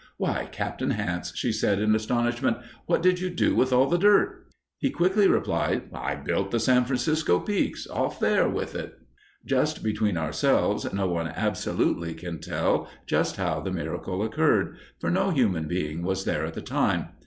"Why, Captain Hance!" she said, in astonishment, "what did you do with all the dirt?" He quickly replied, "I built the San Francisco Peaks off there with it!" Just between ourselves, no one absolutely can tell just how the miracle occurred, for no human being was there at the time.